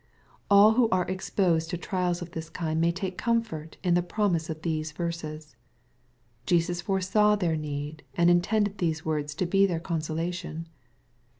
All who are exposed to trials of this kind may take comfort in the promise of these verses. Jesus foresaw their need, and intended these words to be their consolation.